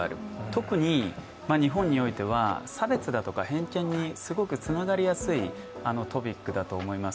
特に日本においては、差別だとか偏見にすごくつながりやすいトピックだと思います。